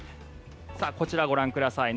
こちらご覧ください。